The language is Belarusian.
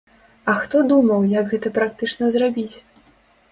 А хто думаў, як гэта практычна зрабіць?